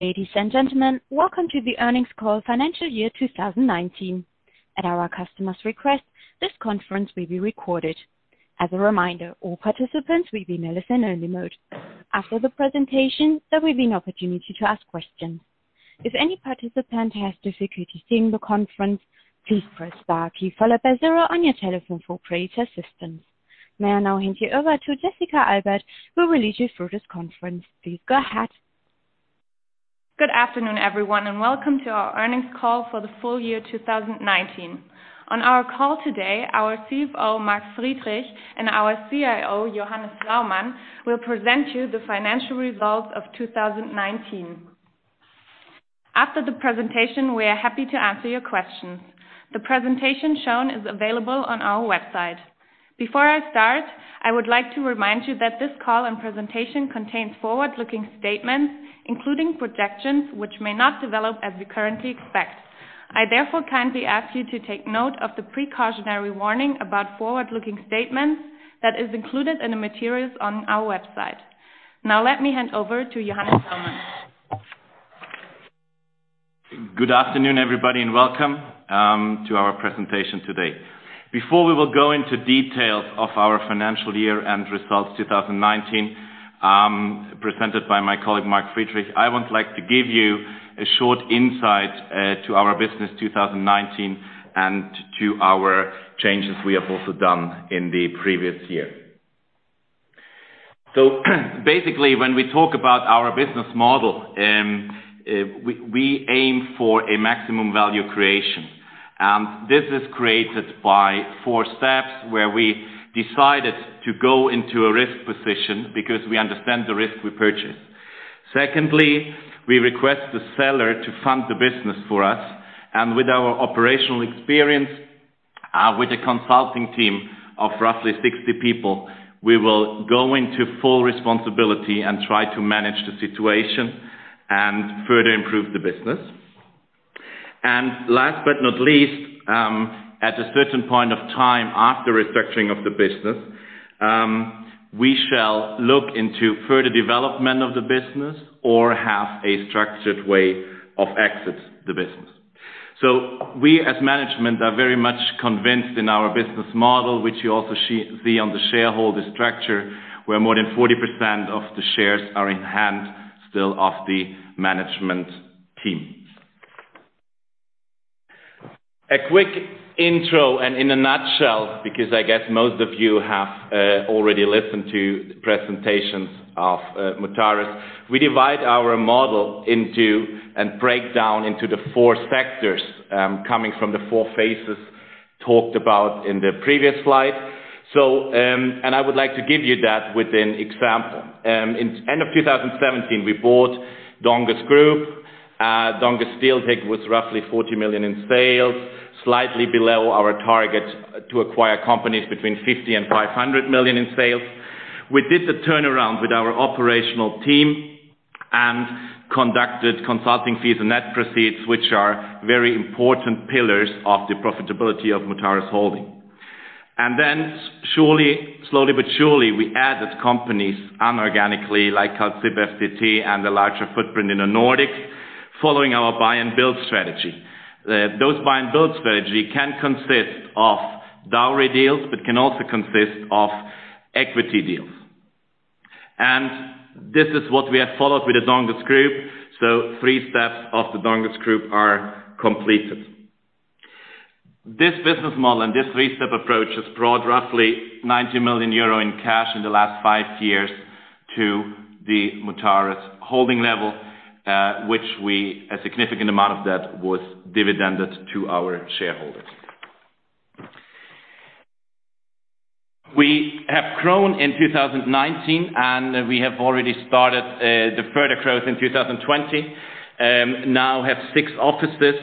Ladies and gentlemen, welcome to the earnings call financial year 2019. At our customer's request, this conference will be recorded. As a reminder, all participants will be in a listen-only mode. After the presentation, there will be an opportunity to ask questions. If any participant has difficulty seeing the conference, please press star key followed by zero on your telephone for operator assistance. May I now hand you over to Jessica Albert, who will lead you through this conference. Please, go ahead. Good afternoon, everyone, welcome to our earnings call for the full year 2019. On our call today, our CFO, Mark Friedrich, and our CIO, Johannes Laumann, will present you the financial results of 2019. After the presentation, we are happy to answer your questions. The presentation shown is available on our website. Before I start, I would like to remind you that this call and presentation contains forward-looking statements, including projections which may not develop as we currently expect. I therefore kindly ask you to take note of the precautionary warning about forward-looking statements that is included in the materials on our website. Let me hand over to Johannes Laumann. Good afternoon, everybody, and welcome to our presentation today. Before we will go into details of our financial year-end results 2019, presented by my colleague Mark Friedrich, I would like to give you a short insight to our business 2019 and to our changes we have also done in the previous year. Basically, when we talk about our business model, we aim for a maximum value creation. This is created by four steps where we decided to go into a risk position because we understand the risk we purchase. Secondly, we request the seller to fund the business for us. With our operational experience, with a consulting team of roughly 60 people, we will go into full responsibility and try to manage the situation and further improve the business. Last but not least, at a certain point of time after restructuring of the business, we shall look into further development of the business or have a structured way of exit the business. We, as management, are very much convinced in our business model, which you also see on the shareholder structure, where more than 40% of the shares are in hand still of the management team. A quick intro and in a nutshell, because I guess most of you have already listened to the presentations of Mutares. We divide our model into and break down into the four sectors, coming from the four phases talked about in the previous slide. I would like to give you that with an example. In end of 2017, we bought Donges Group. Donges SteelTec was roughly 40 million in sales, slightly below our target to acquire companies between 50 million and 500 million in sales. We did the turnaround with our operational team and conducted consulting fees and net proceeds, which are very important pillars of the profitability of Mutares holding. Then slowly but surely, we added companies anorganically, like Kalzip FDT and a larger footprint in the Nordic, following our buy and build strategy. Those buy and build strategy can consist of dowry deals, but can also consist of equity deals. This is what we have followed with the Donges Group. Three steps of the Donges Group are completed. This business model and this three-step approach has brought roughly 90 million euro in cash in the last five years to the Mutares holding level, which a significant amount of that was dividended to our shareholders. We have grown in 2019, and we have already started the further growth in 2020. We now have six offices.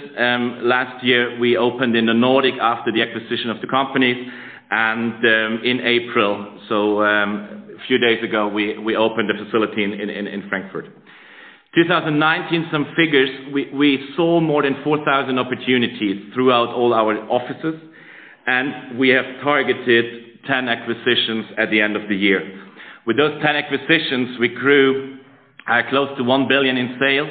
Last year, we opened in the Nordic after the acquisition of the company. In April, so a few days ago, we opened a facility in Frankfurt. 2019, some figures, we saw more than 4,000 opportunities throughout all our offices, and we have targeted 10 acquisitions at the end of the year. With those 10 acquisitions, we grew at close to 1 billion in sales,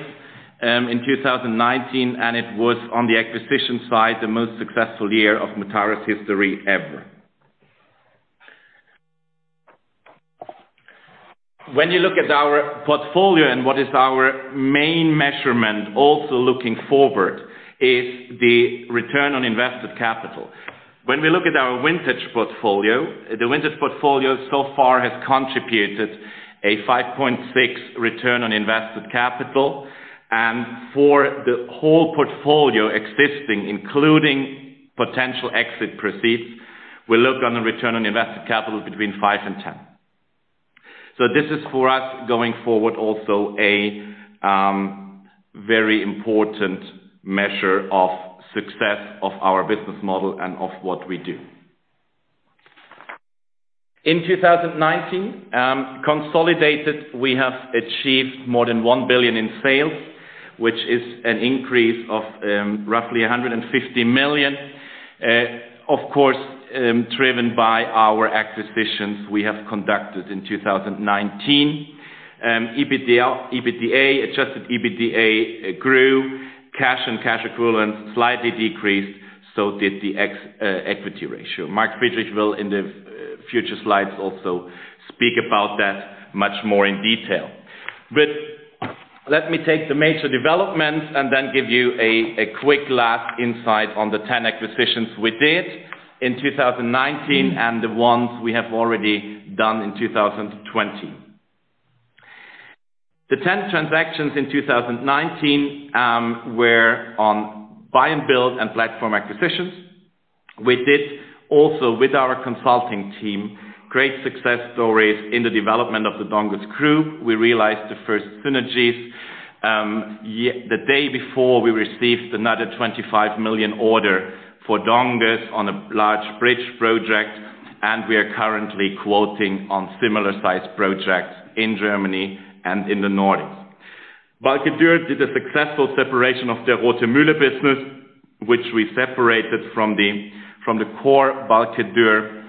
in 2019, and it was on the acquisition side, the most successful year of Mutares history ever. When you look at our portfolio and what is our main measurement also looking forward is the return on invested capital. When we look at our vintage portfolio, the vintage portfolio so far has contributed a 5.6 return on invested capital. For the whole portfolio existing, including potential exit proceeds, we look on the return on invested capital between five and 10. This is for us going forward also a very important measure of success of our business model and of what we do. In 2019, consolidated, we have achieved more than 1 billion in sales, which is an increase of roughly 150 million. Of course, driven by our acquisitions we have conducted in 2019. Adjusted EBITDA grew, cash and cash equivalents slightly decreased, so did the equity ratio. Mark Friedrich will, in the future slides, also speak about that much more in detail. Let me take the major developments and then give you a quick last insight on the 10 acquisitions we did in 2019 and the ones we have already done in 2020. The 10 transactions in 2019 were on buy and build and platform acquisitions. We did also, with our consulting team, great success stories in the development of the Donges Group. We realized the first synergies. The day before, we received another 25 million order for Donges on a large bridge project, and we are currently quoting on similar size projects in Germany and in the Nordics. Balcke-Dürr did a successful separation of their Rothemühle business, which we separated from the core Balcke-Dürr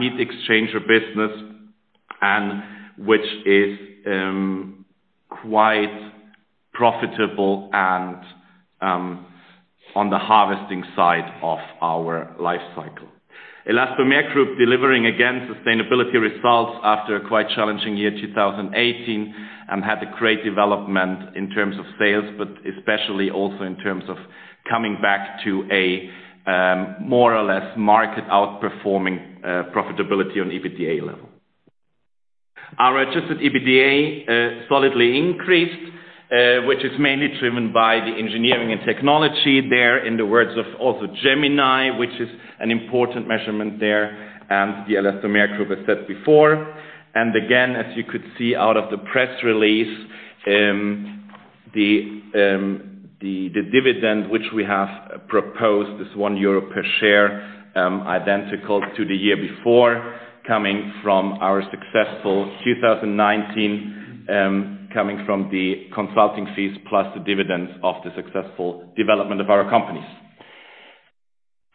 heat exchanger business, and which is quite profitable and on the harvesting side of our life cycle. Elastomer Group delivering, again, sustainability results after a quite challenging year 2018, and had a great development in terms of sales, but especially also in terms of coming back to a more or less market outperforming profitability on EBITDA level. Our adjusted EBITDA solidly increased, which is mainly driven by the engineering and technology there in the words of also Gemini, which is an important measurement there, and the Elastomer Group, as said before. Again, as you could see out of the press release, the dividend which we have proposed is 1 euro per share, identical to the year before, coming from our successful 2019, coming from the consulting fees plus the dividends of the successful development of our companies.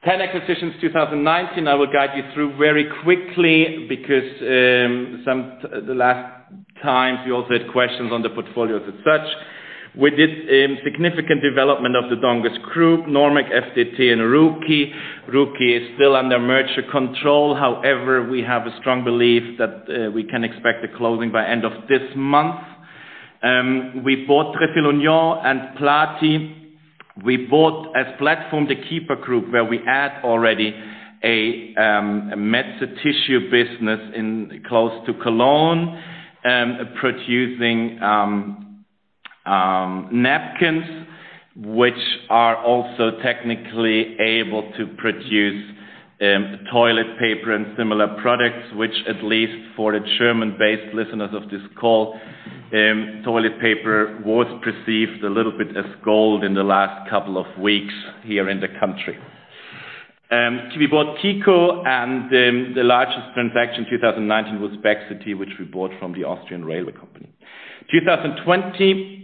10 acquisitions 2019. I will guide you through very quickly because the last times you also had questions on the portfolios as such. We did significant development of the Donges Group, Normek, FDT, and Ruukki. Ruukki is still under merger control. However, we have a strong belief that we can expect the closing by end of this month. We bought TréfilUnion and Plati. We bought, as platform, the keeeper Group, where we add already a massive tissue business close to Cologne, producing napkins, which are also technically able to produce toilet paper and similar products, which at least for the German-based listeners of this call, toilet paper was perceived a little bit as gold in the last couple of weeks here in the country. We bought KICO. The largest transaction, 2019, was BEXity, which we bought from the Austrian Railway Company. 2020,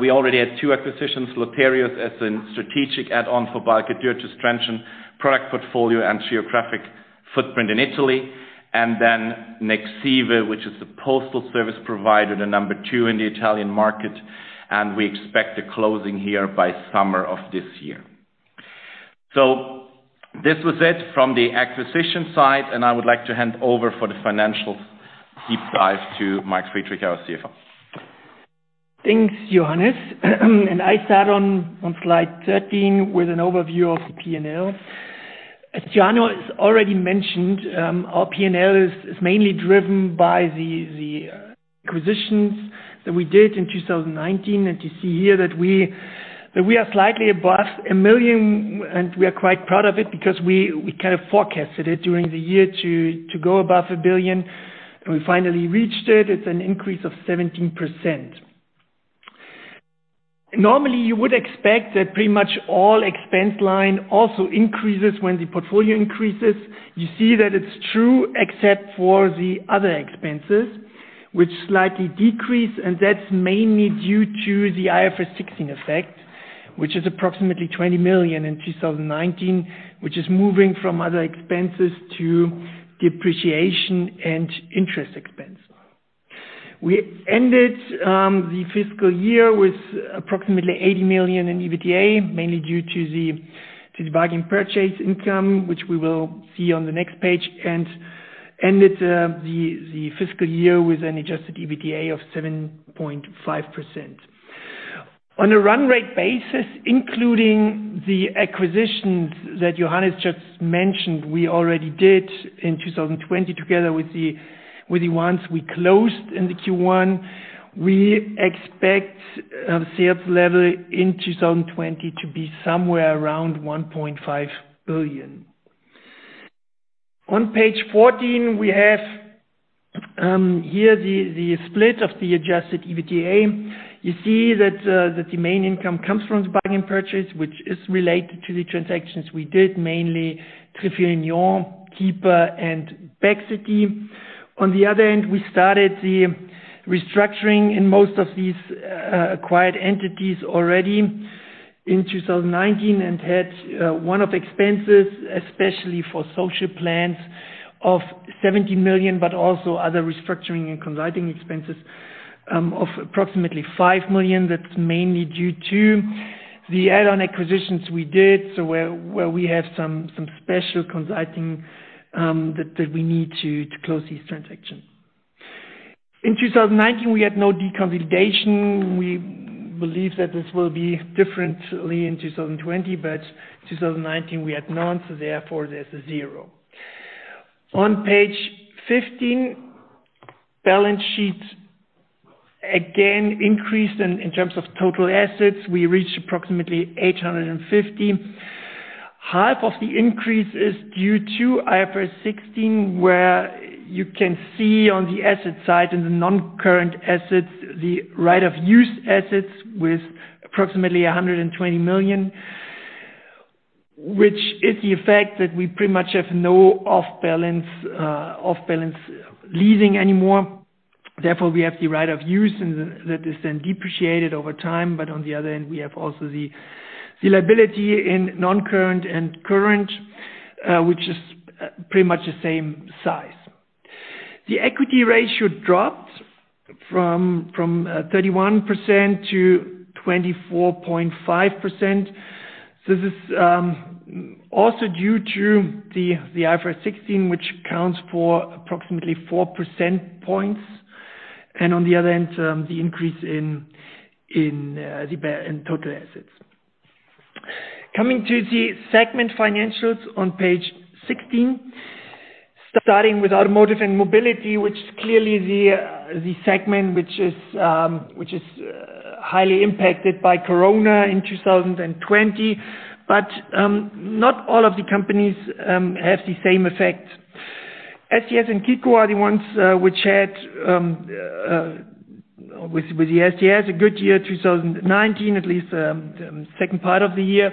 we already had two acquisitions, Loterios, as in strategic add-on for Balcke-Dürr to strengthen product portfolio and geographic footprint in Italy. Nexive, which is the postal service provider, the number 2 in the Italian market, and we expect the closing here by summer of this year. This was it from the acquisition side, and I would like to hand over for the financial deep dive to Mark Friedrich, our CFO. Thanks, Johannes. I start on slide 13 with an overview of the P&L. As Johannes already mentioned, our P&L is mainly driven by the acquisitions that we did in 2019. You see here that we are slightly above 1 billion, and we are quite proud of it because we kind of forecasted it during the year to go above 1 billion, and we finally reached it. It's an increase of 17%. Normally, you would expect that pretty much all expense line also increases when the portfolio increases. You see that it's true, except for the other expenses, which slightly decrease, and that's mainly due to the IFRS 16 effect, which is approximately 20 million in 2019, which is moving from other expenses to depreciation and interest expense. We ended the fiscal year with approximately 80 million in EBITDA, mainly due to the bargain purchase income, which we will see on the next page, and ended the fiscal year with an Adjusted EBITDA of 7.5%. On a run rate basis, including the acquisitions that Johannes just mentioned, we already did in 2020 together with the ones we closed in the Q1. We expect sales level in 2020 to be somewhere around 1.5 billion. On page 14, we have here the split of the Adjusted EBITDA. You see that the main income comes from bargain purchase, which is related to the transactions we did, mainly TréfilUnion, KICO, and BEXity. On the other end, we started the restructuring in most of these acquired entities already in 2019 and had one-off expenses, especially for social plans of 70 million, but also other restructuring and consulting expenses of approximately 5 million. That's mainly due to the add-on acquisitions we did, so where we have some special consulting, that we need to close these transactions. In 2019, we had no deconsolidation. We believe that this will be differently in 2020, but 2019, we had none, so therefore, this is zero. On page 15, balance sheet, again, increased in terms of total assets. We reached approximately 850. Half of the increase is due to IFRS 16, where you can see on the asset side, in the non-current assets, the right-of-use assets with approximately 120 million, which is the effect that we pretty much have no off-balance leasing anymore. Therefore, we have the right of use, and that is then depreciated over time. On the other hand, we have also the liability in non-current and current, which is pretty much the same size. The equity ratio dropped from 31% to 24.5%. This is also due to the IFRS 16, which accounts for approximately 4 percentage points and on the other hand, the increase in total assets. Coming to the segment financials on page 16. Starting with automotive and mobility, which is clearly the segment which is highly impacted by corona in 2020. Not all of the companies have the same effect. STS and KICO are the ones which had, with the STS, a good year, 2019, at least the second part of the year.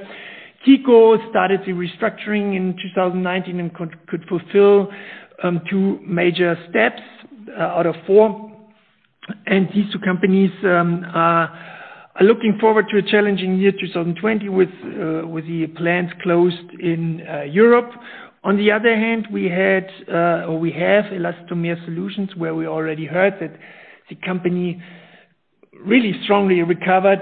KICO started the restructuring in 2019 and could fulfill two major steps out of four. These two companies are looking forward to a challenging year 2020 with the plants closed in Europe. On the other hand, we have Elastomer Solutions, where we already heard that the company really strongly recovered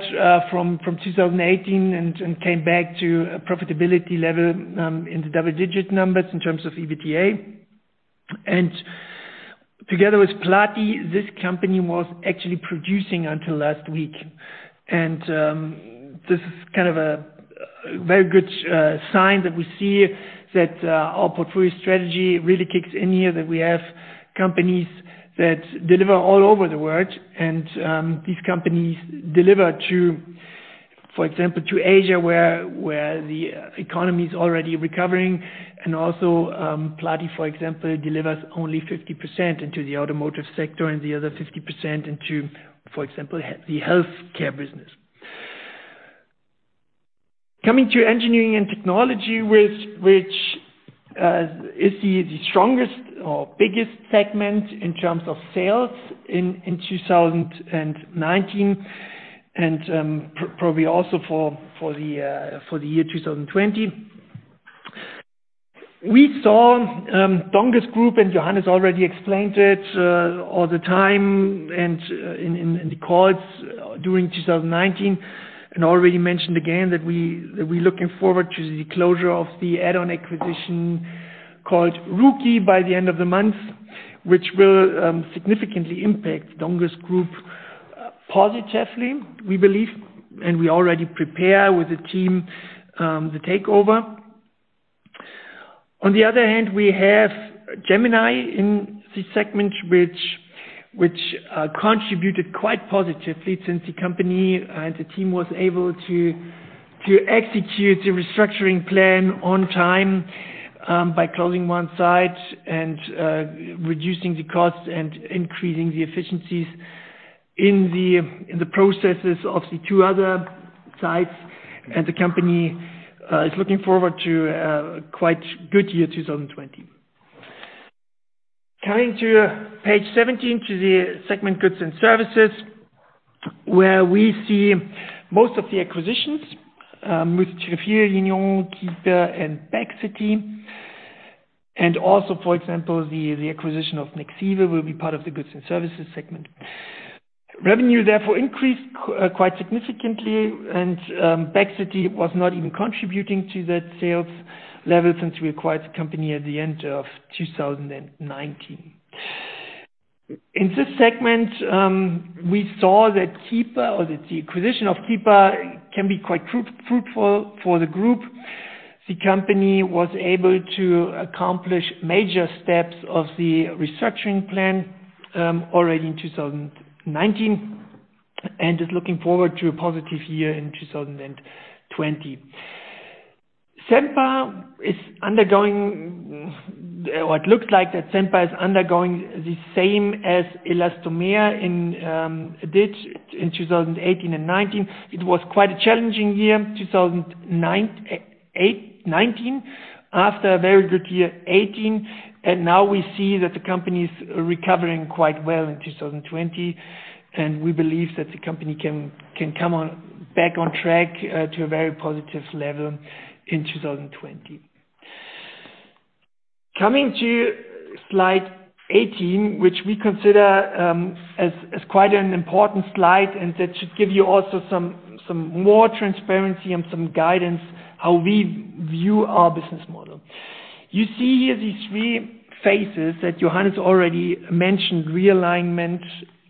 from 2018 and came back to a profitability level, in the double-digit numbers in terms of EBITDA. Together with Plati, this company was actually producing until last week. This is a very good sign that we see that our portfolio strategy really kicks in here, that we have companies that deliver all over the world. These companies deliver, for example, to Asia, where the economy is already recovering. Also, Plati, for example, delivers only 50% into the automotive sector and the other 50% into, for example, the healthcare business. Coming to engineering and technology, which is the strongest or biggest segment in terms of sales in 2019 and probably also for the year 2020. We saw Donges Group. Johannes already explained it all the time and in the calls during 2019, and already mentioned again that we looking forward to the closure of the add-on acquisition called Ruukki by the end of the month, which will significantly impact Donges Group positively, we believe, and we already prepare with the team the takeover. On the other hand, we have Gemini in this segment, which contributed quite positively since the company and the team was able to execute the restructuring plan on time, by closing one site and reducing the costs and increasing the efficiencies in the processes of the two other sites. The company is looking forward to a quite good year 2020. Coming to page 17 to the segment goods and services, where we see most of the acquisitions, with TréfilUnion, KICO and BEXity. Also, for example, the acquisition of Nexive will be part of the goods and services segment. Revenue, therefore, increased quite significantly, and BEXity was not even contributing to that sales level since we acquired the company at the end of 2019. In this segment, we saw that KICO or that the acquisition of KICO can be quite fruitful for the group. The company was able to accomplish major steps of the restructuring plan, already in 2019, and is looking forward to a positive year in 2020. Sempertrans, it looks like that Sempertrans is undergoing the same as Elastomer did in 2018 and 2019. It was quite a challenging year, 2019, after a very good year 2018. Now we see that the company is recovering quite well in 2020. We believe that the company can come back on track to a very positive level in 2020. Coming to slide 18, which we consider as quite an important slide, that should give you also some more transparency and some guidance how we view our business model. You see here the three phases that Johannes already mentioned, realignment,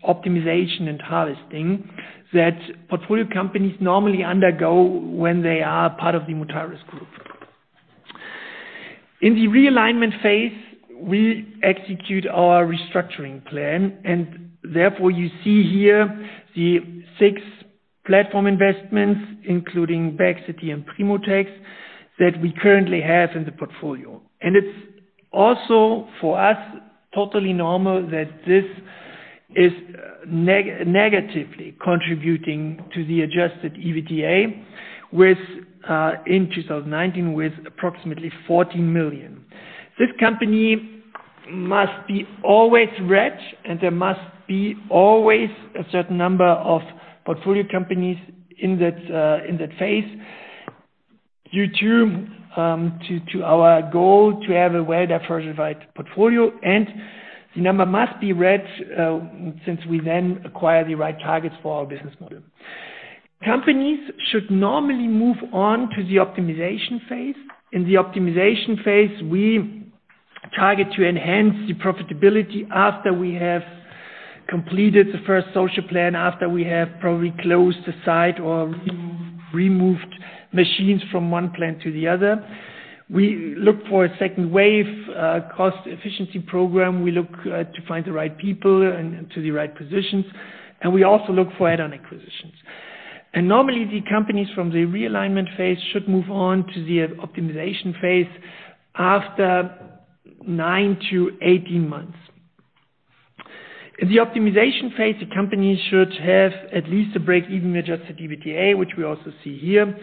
optimization, and harvesting, that portfolio companies normally undergo when they are part of the Mutares Group. In the realignment phase, we execute our restructuring plan, therefore, you see here the six platform investments, including BEXity and PrimoTECS, that we currently have in the portfolio. It is also, for us, totally normal that this is negatively contributing to the adjusted EBITDA in 2019 with approximately 14 million. This company must be always red, there must be always a certain number of portfolio companies in that phase due to our goal to have a well-diversified portfolio. The number must be right, since we acquire the right targets for our business model. Companies should normally move on to the optimization phase. In the optimization phase, we target to enhance the profitability after we have completed the first social plan, after we have probably closed the site or removed machines from one plant to the other. We look for a second wave, cost efficiency program. We look to find the right people into the right positions, and we also look for add-on acquisitions. Normally, the companies from the realignment phase should move on to the optimization phase after nine months-18 months. In the optimization phase, the company should have at least a break-even Adjusted EBITDA, which we also see here.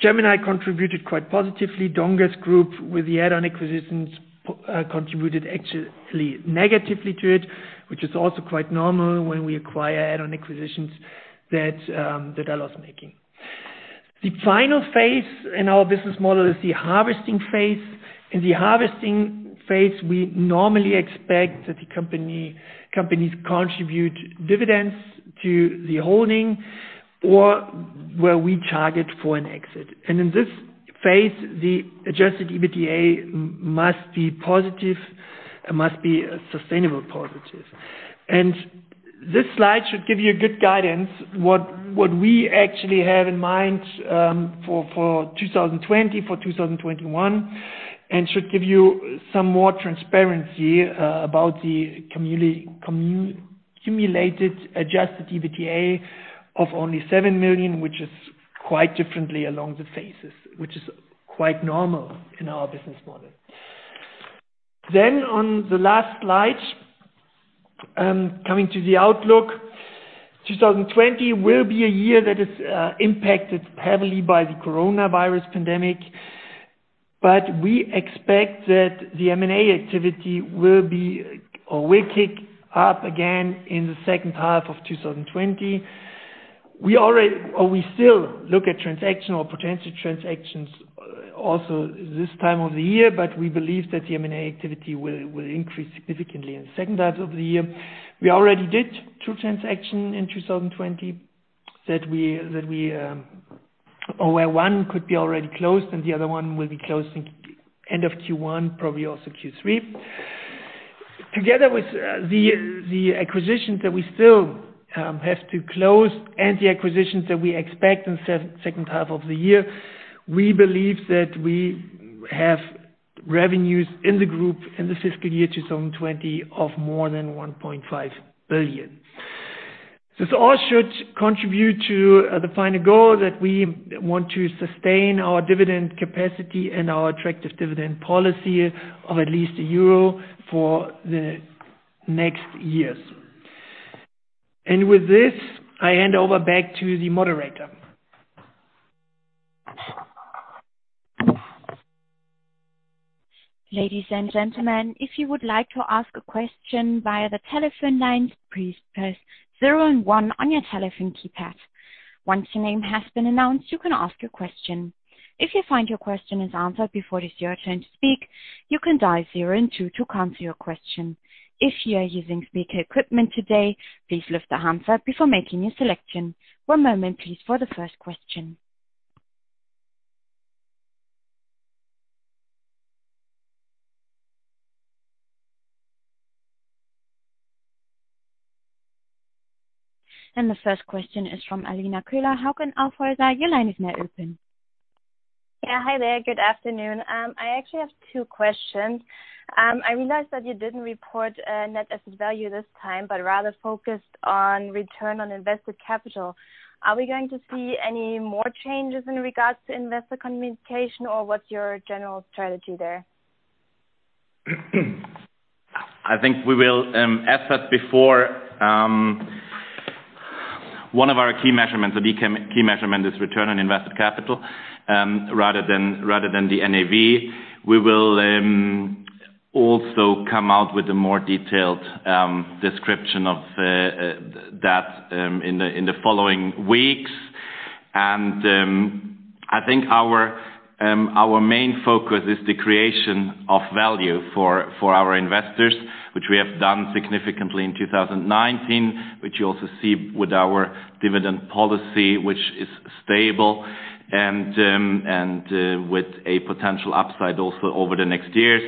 Gemini contributed quite positively. Donges Group, with the add-on acquisitions, contributed actually negatively to it, which is also quite normal when we acquire add-on acquisitions that are loss-making. The final phase in our business model is the harvesting phase. In the harvesting phase, we normally expect that the companies contribute dividends to the holding or where we target for an exit. In this phase, the Adjusted EBITDA must be positive and must be sustainable positive. This slide should give you a good guidance what we actually have in mind for 2020, for 2021, and should give you some more transparency about the cumulated Adjusted EBITDA of only 7 million, which is quite differently along the phases, which is quite normal in our business model. On the last slide, coming to the outlook. 2020 will be a year that is impacted heavily by the coronavirus pandemic, but we expect that the M&A activity will kick up again in the second half of 2020. We still look at transaction or potential transactions also this time of the year, but we believe that the M&A activity will increase significantly in the second half of the year. We already did two transactions in 2020, where one could be already closed and the other one will be closing end of Q1, probably also Q3. Together with the acquisitions that we still have to close and the acquisitions that we expect in the second half of the year, we believe that we have revenues in the group in the fiscal year 2020 of more than 1.5 billion. This all should contribute to the final goal that we want to sustain our dividend capacity and our attractive dividend policy of at least EUR 1 for the next years. With this, I hand over back to the moderator. Ladies and gentlemen, if you would like to ask a question via the telephone lines, please press zero and one on your telephone keypad. Once your name has been announced, you can ask your question. If you find your question is answered before it is your turn to speak, you can dial zero and two to cancel your question. If you are using speaker equipment today, please lift the handset before making your selection. One moment please for the first question. The first question is from Alina Köhler, Hauck & Aufhäuser. Your line is now open. Yeah. Hi there. Good afternoon. I actually have two questions. I realized that you didn't report net asset value this time, but rather focused on return on invested capital. Are we going to see any more changes in regards to investor communication, or what's your general strategy there? I think we will asset before. One of our key measurements is return on invested capital, rather than the NAV. We will also come out with a more detailed description of that in the following weeks. I think our main focus is the creation of value for our investors, which we have done significantly in 2019, which you also see with our dividend policy, which is stable and with a potential upside also over the next years.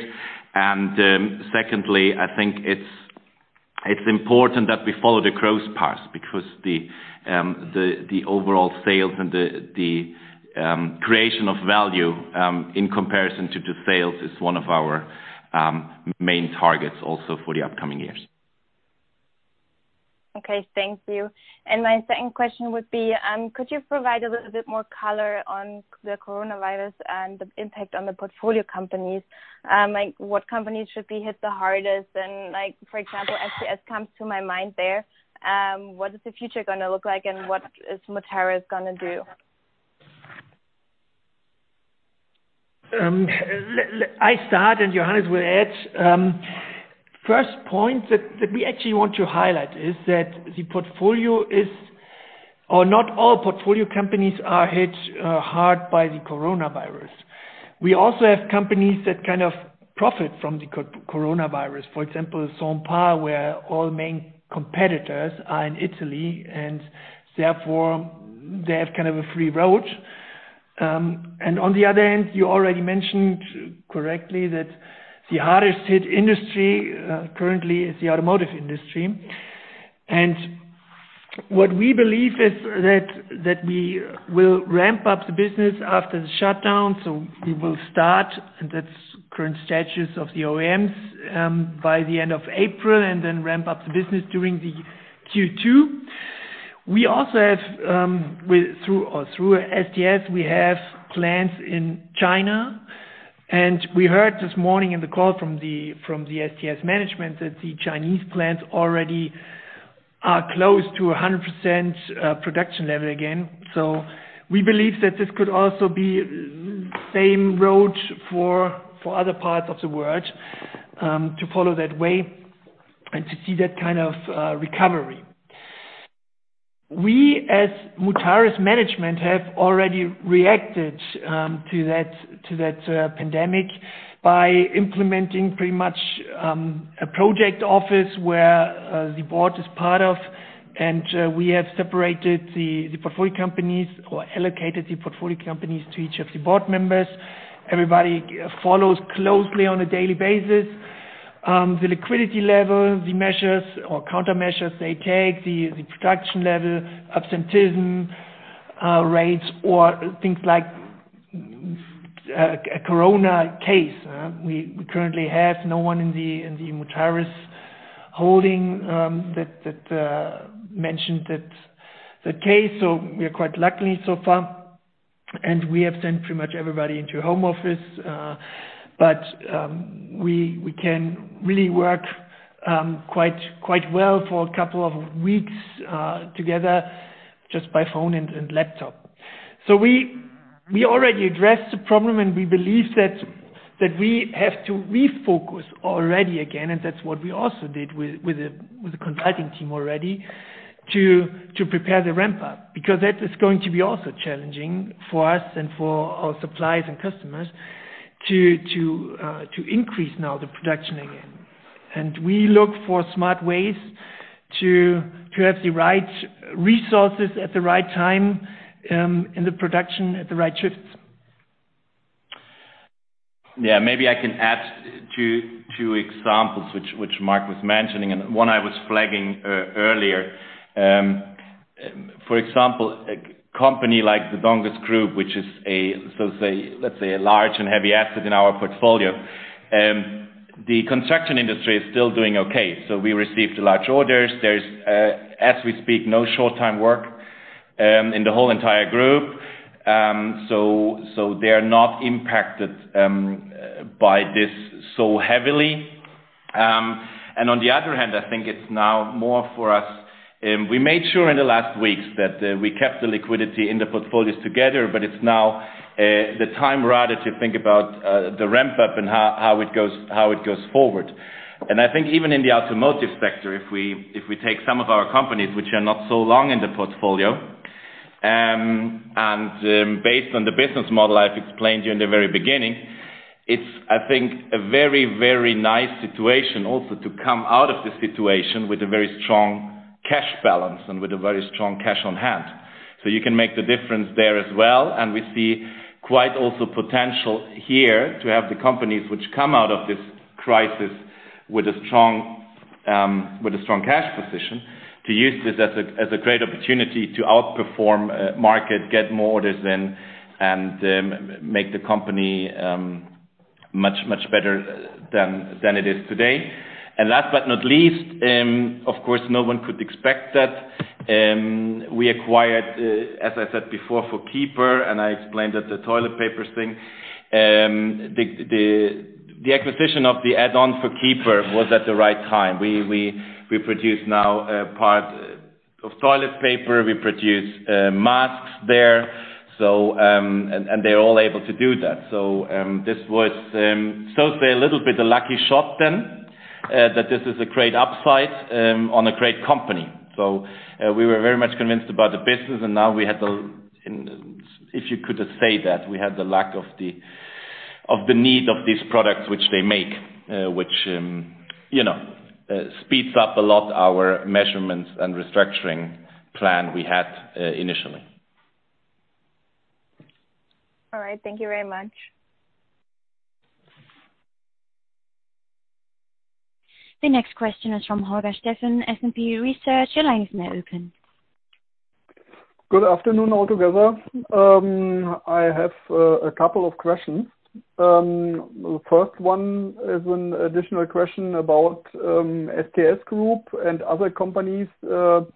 Secondly, I think it's important that we follow the growth path because the overall sales and the creation of value in comparison to sales is one of our main targets also for the upcoming years. Okay, thank you. My second question would be, could you provide a little bit more color on the coronavirus and the impact on the portfolio companies? What companies should be hit the hardest and, for example, STS comes to my mind there. What is the future going to look like and what is Mutares going to do? I start, and Johannes will add. First point that we actually want to highlight is that not all portfolio companies are hit hard by the coronavirus. We also have companies that kind of profit from the coronavirus. For example, Sempertrans, where all main competitors are in Italy, and therefore they have kind of a free road. On the other end, you already mentioned correctly that the hardest hit industry currently is the automotive industry. What we believe is that we will ramp up the business after the shutdown, so we will start, and that's current status of the OEMs, by the end of April and then ramp up the business during the Q2. We also have, through STS, we have plants in China. We heard this morning in the call from the STS management that the Chinese plants already are close to 100% production level again. We believe that this could also be same road for other parts of the world to follow that way and to see that kind of recovery. We, as Mutares management, have already reacted to that pandemic by implementing pretty much a project office where the board is part of, and we have separated the portfolio companies or allocated the portfolio companies to each of the board members. Everybody follows closely on a daily basis the liquidity level, the measures or countermeasures they take, the production level, absenteeism rates, or things like a corona case. We currently have no one in the Mutares holding that mentioned that case, so we are quite lucky so far. We have sent pretty much everybody into home office. We can really work quite well for a couple of weeks together just by phone and laptop. We already addressed the problem, and we believe that we have to refocus already again, and that's what we also did with the consulting team already to prepare the ramp-up. That is going to be also challenging for us and for our suppliers and customers to increase now the production again. We look for smart ways to have the right resources at the right time in the production at the right shifts. Yeah, maybe I can add two examples which Mark was mentioning and one I was flagging earlier. For example, a company like the Donges Group, which is, let's say, a large and heavy asset in our portfolio. The construction industry is still doing okay. We received large orders. There's, as we speak, no short-time work in the whole entire group. They're not impacted by this so heavily. On the other hand, I think it's now more for us. We made sure in the last weeks that we kept the liquidity in the portfolios together, but it's now the time rather to think about the ramp-up and how it goes forward. I think even in the automotive sector, if we take some of our companies which are not so long in the portfolio, and based on the business model I've explained to you in the very beginning, it's I think a very nice situation also to come out of this situation with a very strong cash balance and with a very strong cash on hand. You can make the difference there as well, and we see quite also potential here to have the companies which come out of this crisis with a strong cash position to use this as a great opportunity to outperform market, get more orders in, and make the company much better than it is today. Last but not least, of course, no one could expect that we acquired, as I said before, for KICO, and I explained that the toilet papers thing. The acquisition of the add-on for keeeper was at the right time. We produce now parts of toilet paper, we produce masks there, and they're all able to do that. This was, so to say, a little bit a lucky shot then, that this is a great upside on a great company. We were very much convinced about the business, and now if you could say that we had the lack of the need of these products which they make, which speeds up a lot our measurements and restructuring plan we had initially. All right. Thank you very much. The next question is from Holger Steffen, SMC Research. Your line is now open. Good afternoon, all together. I have a couple of questions. The first one is an additional question about STS Group and other companies. In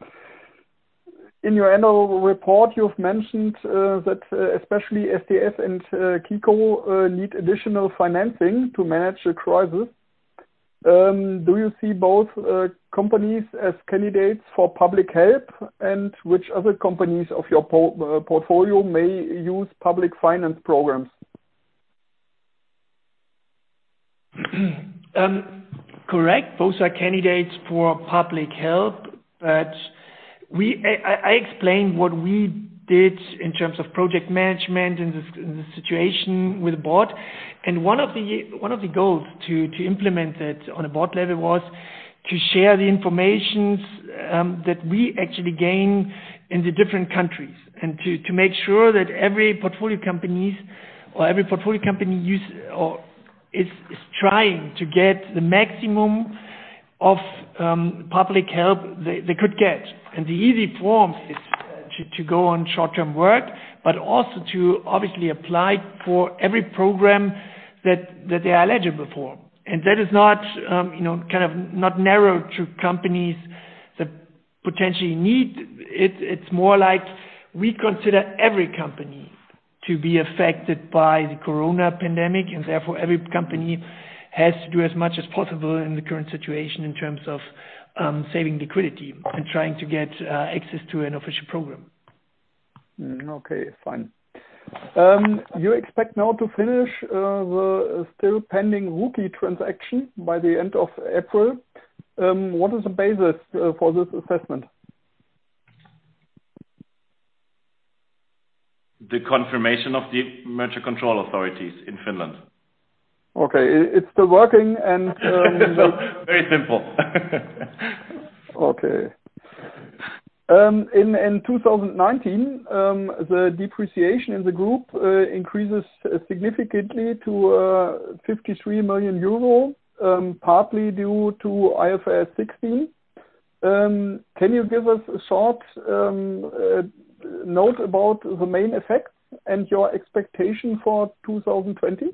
your annual report, you've mentioned that especially STS and KICO need additional financing to manage the crisis. Do you see both companies as candidates for public help? Which other companies of your portfolio may use public finance programs? Correct. Those are candidates for public help, but I explained what we did in terms of project management and the situation with the board, and one of the goals to implement it on a board level was to share the informations that we actually gain in the different countries and to make sure that every portfolio company is trying to get the maximum of public help they could get. The easy form is to go on short-time work, but also to obviously apply for every program that they are eligible for. That is not narrow to companies that potentially need it. It's more like we consider every company to be affected by the coronavirus pandemic, and therefore, every company has to do as much as possible in the current situation in terms of saving liquidity and trying to get access to an official program. Okay, fine. You expect now to finish the still pending Ruukki transaction by the end of April. What is the basis for this assessment? The confirmation of the merger control authorities in Finland. Okay. It's still working. Very simple. Okay. In 2019, the depreciation in the group increases significantly to 53 million euro, partly due to IFRS 16. Can you give us a short note about the main effects and your expectation for 2020?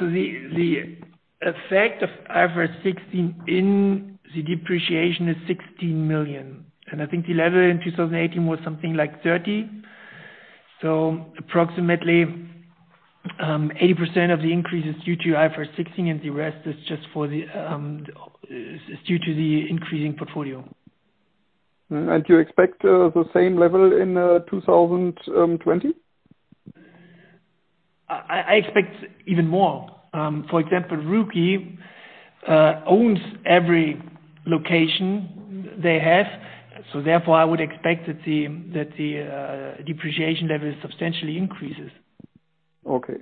The effect of IFRS 16 in the depreciation is 16 million. I think the level in 2018 was something like 30 million. Approximately, 80% of the increase is due to IFRS 16, and the rest is due to the increasing portfolio. Do you expect the same level in 2020? I expect even more. For example, Ruukki owns every location they have, so therefore I would expect that the depreciation level substantially increases. Okay.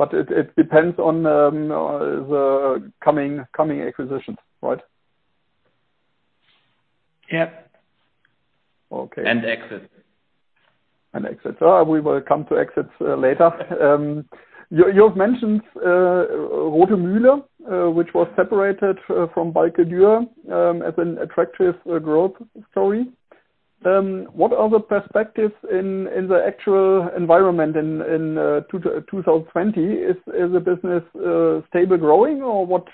It depends on the coming acquisitions, right? Yep. Okay. And exit. Exit. We will come to exits later. You've mentioned Balcke-Dürr Rothemühle, which was separated from Balcke-Dürr, as an attractive growth story. What are the perspectives in the actual environment in 2020? Is the business stable growing, or what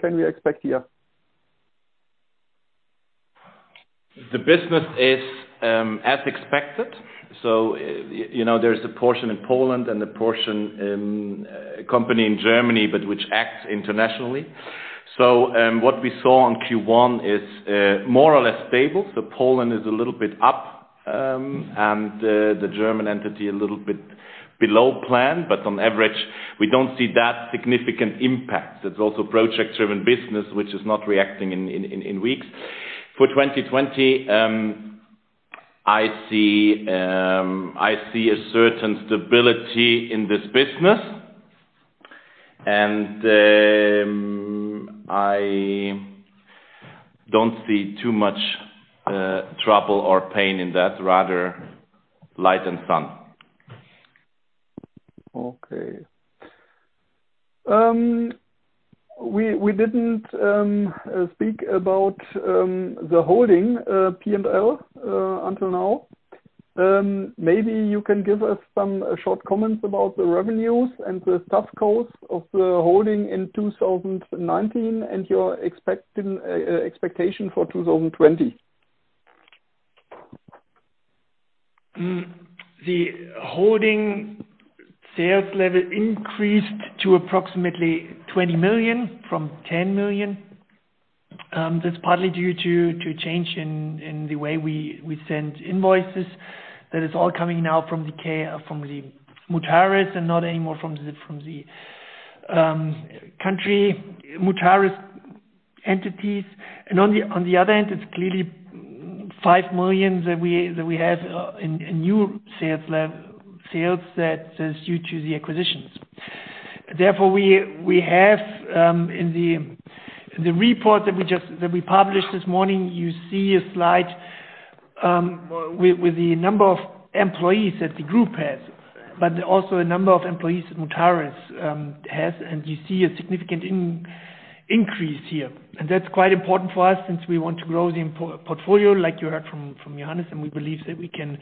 can we expect here? The business is as expected. There is a portion in Poland and a portion in a company in Germany, but which acts internationally. What we saw in Q1 is more or less stable. Poland is a little bit up, and the German entity a little bit below plan. On average, we don't see that significant impact. It's also project-driven business, which is not reacting in weeks. For 2020, I see a certain stability in this business, and I don't see too much trouble or pain in that, rather light and fun. Okay. We didn't speak about the holding P&L until now. Maybe you can give us some short comments about the revenues and the soft costs of the holding in 2019 and your expectation for 2020. The holding sales level increased to approximately 20 million from 10 million. That's partly due to change in the way we send invoices. That is all coming now from the Mutares and not anymore from the country Mutares entities. On the other end, it's clearly 5 million that we have in new sales that is due to the acquisitions. Therefore, we have in the report that we published this morning, you see a slide with the number of employees that the group has, but also a number of employees Mutares has, and you see a significant increase here. That's quite important for us since we want to grow the portfolio like you heard from Johannes, and we believe that we can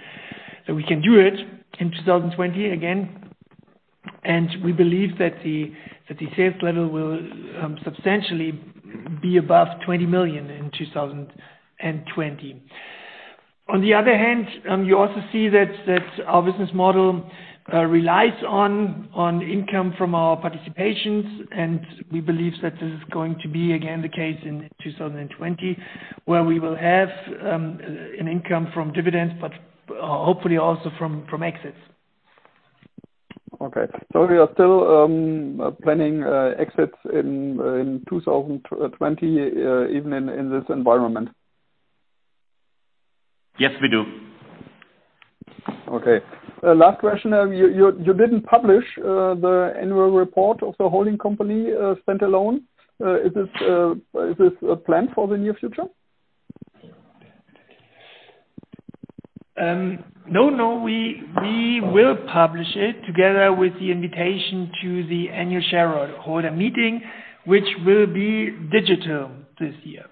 do it in 2020 again. We believe that the sales level will substantially be above 20 million in 2020. On the other hand, you also see that our business model relies on income from our participations, and we believe that this is going to be again the case in 2020, where we will have an income from dividends, but hopefully also from exits. Okay. You are still planning exits in 2020, even in this environment? Yes, we do. Okay. Last question, you didn't publish the annual report of the holding company stand alone. Is this a plan for the near future? No, we will publish it together with the invitation to the annual shareholder meeting, which will be digital this year.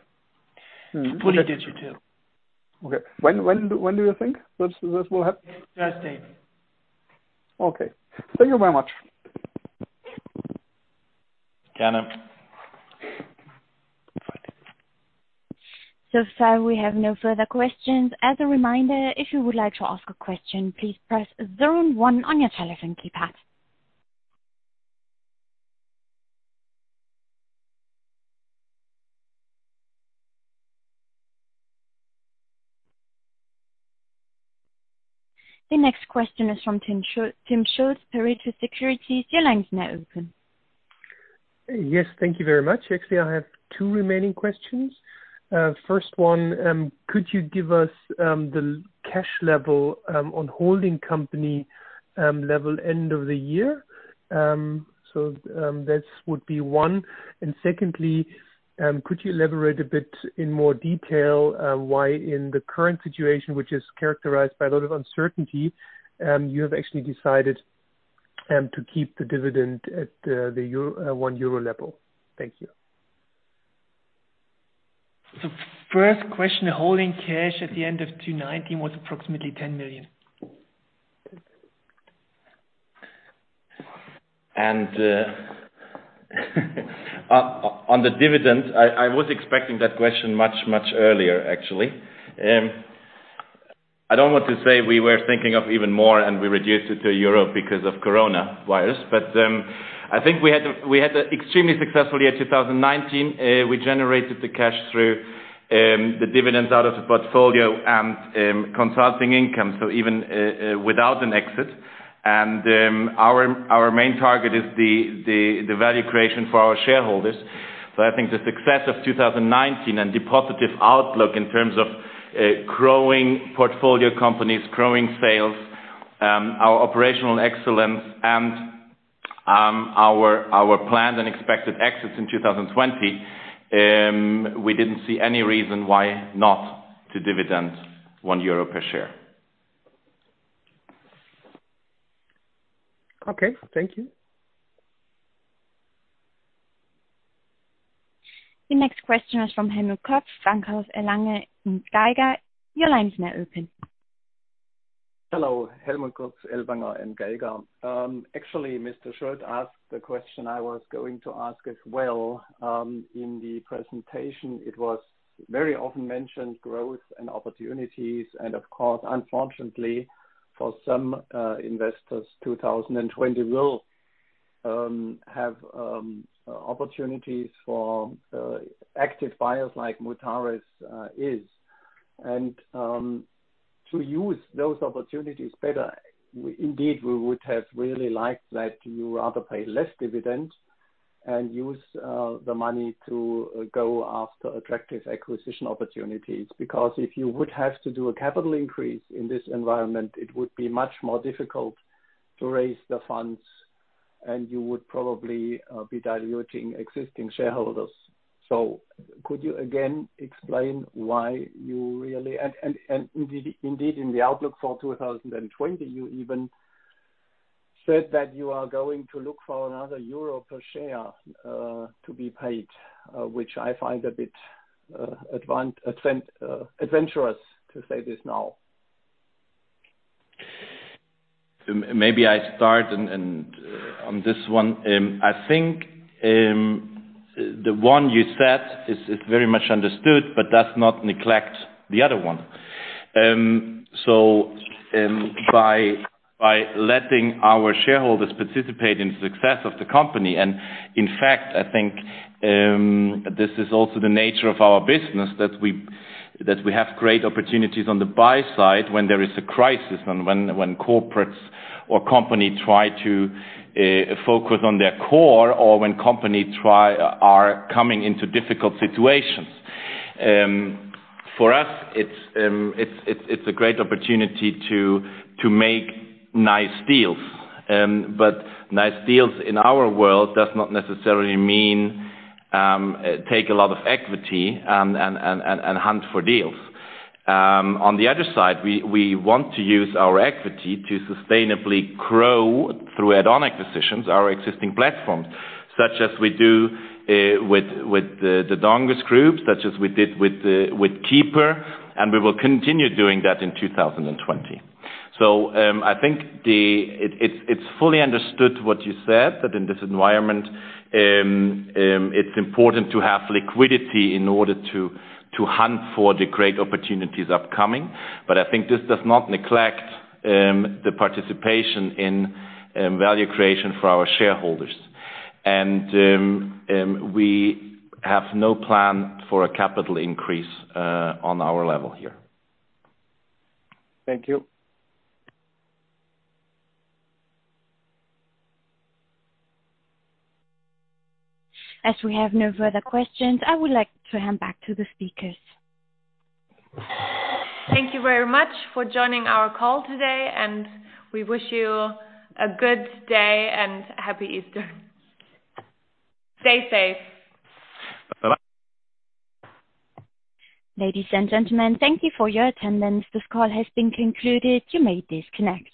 Fully digital. Okay. When do you think this will happen? Thursday. Okay. Thank you very much. Keine? So far we have no further questions. As a reminder, if you would like to ask a question, please press zero and one on your telephone keypad. The next question is from Tim Schuldt, Pareto Securities. Your line's now open. Yes, thank you very much. Actually, I have two remaining questions. First one, could you give us the cash level on holding company level end of the year? That would be one. Secondly, could you elaborate a bit in more detail why in the current situation, which is characterized by a lot of uncertainty, you have actually decided to keep the dividend at the 1 euro level? Thank you. First question, holding cash at the end of 2019 was approximately 10 million. On the dividend, I was expecting that question much earlier, actually. I don't want to say we were thinking of even more and we reduced it to EUR 1 because of coronavirus. I think we had extremely successful year 2019. We generated the cash through the dividends out of the portfolio and consulting income, so even without an exit. Our main target is the value creation for our shareholders. I think the success of 2019 and the positive outlook in terms of growing portfolio companies, growing sales, our operational excellence and our planned and expected exits in 2020, we didn't see any reason why not to dividend 1 euro per share. Okay, thank you. The next question is from Helmut Kurz, Bankhaus Ellwanger & Geiger. Your line's now open. Hello, Helmut Kurz, Ellwanger & Geiger. Actually, Mr.Schuldt asked the question I was going to ask as well. In the presentation, it was very often mentioned growth and opportunities. Of course, unfortunately for some investors, 2020 will have opportunities for active buyers like Mutares is. To use those opportunities better, indeed, we would have really liked that you rather pay less dividend and use the money to go after attractive acquisition opportunities. If you would have to do a capital increase in this environment, it would be much more difficult to raise the funds and you would probably be diluting existing shareholders. Could you again explain why you really, and indeed in the outlook for 2020, you even said that you are going to look for another EUR per share to be paid, which I find a bit adventurous to say this now. Maybe I start on this one. I think the one you said is very much understood, does not neglect the other one. By letting our shareholders participate in the success of the company, and in fact, I think this is also the nature of our business, that we have great opportunities on the buy side when there is a crisis and when corporates or company try to focus on their core or when company are coming into difficult situations. For us, it's a great opportunity to make nice deals. Nice deals in our world does not necessarily mean take a lot of equity and hunt for deals. On the other side, we want to use our equity to sustainably grow through add-on acquisitions, our existing platforms. Such as we do with the Donges Group, such as we did with keeeper, and we will continue doing that in 2020. I think it's fully understood what you said, that in this environment, it's important to have liquidity in order to hunt for the great opportunities upcoming. I think this does not neglect the participation in value creation for our shareholders. We have no plan for a capital increase on our level here. Thank you. As we have no further questions, I would like to hand back to the speakers. Thank you very much for joining our call today, and we wish you a good day and Happy Easter. Stay safe. Bye-bye. Ladies and gentlemen, thank you for your attendance. This call has been concluded. You may disconnect.